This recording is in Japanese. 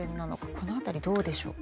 この辺りどうでしょうか。